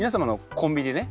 コンビニでね